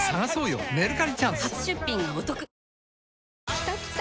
きたきた！